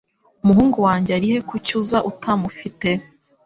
umuhungu wanjye ari he Kuki uza utamufite